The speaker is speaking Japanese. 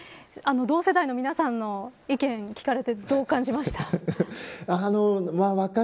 同世代の皆さんの意見聞かれてどう感じましたか。